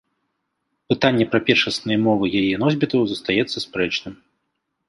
Пытанне пра першасныя мовы яе носьбітаў застаецца спрэчным.